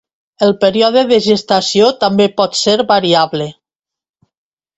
El període de gestació també pot ser variable.